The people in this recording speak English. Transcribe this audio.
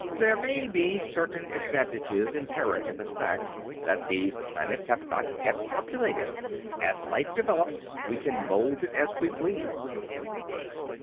There may also be certain advantages inherent in the fact that these planets are not yet populated. As life develops, we can mold it as we please.